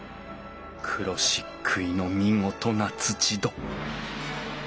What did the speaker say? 黒漆喰の見事な土扉